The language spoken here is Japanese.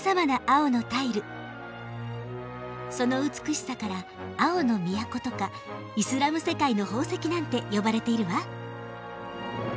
その美しさから「青の都」とか「イスラム世界の宝石」なんて呼ばれているわ。